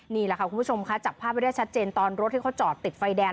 นี่แหละค่ะคุณผู้ชมค่ะจับภาพไว้ได้ชัดเจนตอนรถที่เขาจอดติดไฟแดง